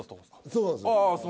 そうなんです